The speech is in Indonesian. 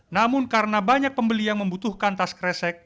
namun karena banyak pembeli yang membutuhkan tas kresek